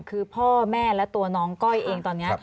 คือพ่อแม่และตัวน้องก้อยเองตอนนี้